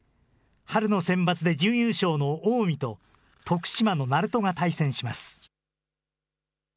春のセンバツで準優勝の近江と徳島の鳴門が対戦します。